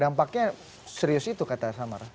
dampaknya serius itu kata samara